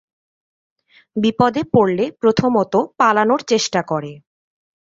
বিপদে পড়লে প্রথমত পালানোর চেষ্টা করে।